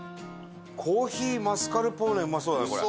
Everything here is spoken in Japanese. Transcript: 珈琲マスカルポーネうまそうだねこれ。